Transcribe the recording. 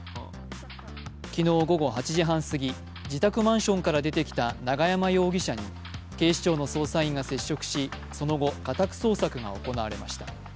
昨日午後８時半過ぎ、自宅マンションから出てきた永山容疑者に警視庁の捜査員が接触し、その後、家宅捜索が行われました。